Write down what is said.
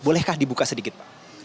bolehkah dibuka sedikit pak